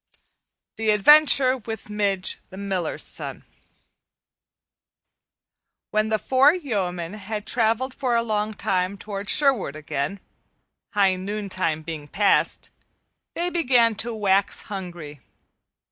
The Adventure with Midge the Miller's Son WHEN THE four yeomen had traveled for a long time toward Sherwood again, high noontide being past, they began to wax hungry.